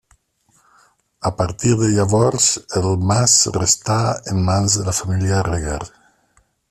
A partir de llavors, el mas restà en mans de la família Reguer.